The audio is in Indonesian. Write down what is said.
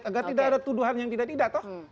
karena tidak ada tuduhan yang tidak tidak